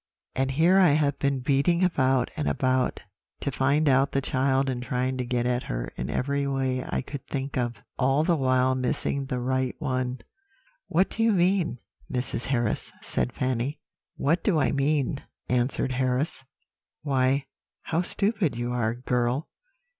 and here I have been beating about and about to find out the child, and trying to get at her in every way I could think of, all the while missing the right one.' "'What do you mean, Mrs. Harris?' said Fanny. "'What do I mean?' answered Harris; 'why, how stupid you are, girl!